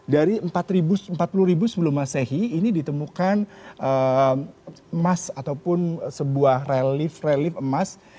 dari empat puluh ribu sebelum masehi ini ditemukan emas ataupun sebuah relief relief emas